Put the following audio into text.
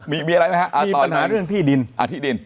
มีปัญหาเรื่องที่ดิน